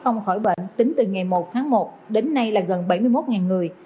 ông khỏi bệnh tính từ ngày một tháng một đến nay là gần bảy mươi một người